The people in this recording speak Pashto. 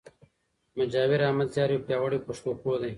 مجاور احمد زیار یو پیاوړی پښتو پوه دئ.